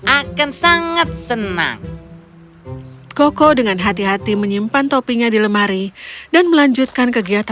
akan sangat senang koko dengan hati hati menyimpan topinya di lemari dan melanjutkan kegiatan